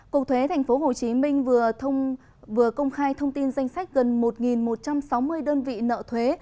cục thuế tp hcm vừa công khai thông tin danh sách gần một một trăm sáu mươi đơn vị nợ thuế